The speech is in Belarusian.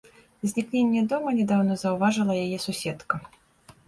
Знікненне дома нядаўна заўважыла яе суседка.